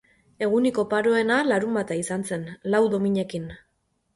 Egunik oparoena larunbata izan zen, lau dominekin.